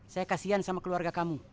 saya kasian sama keluarga kamu